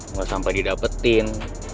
nggak sampai didapetin